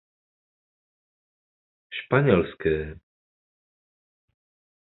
Španělské.